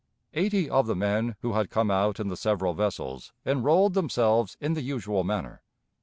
Eighty of the men who had come out in the several vessels enrolled themselves in the usual manner.